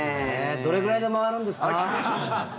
どれぐらいで回るんですか？